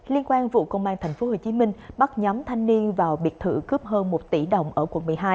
liên quan vụ công an tp hcm bắt nhóm thanh niên vào biệt thự cướp hơn một tỷ đồng ở quận một mươi hai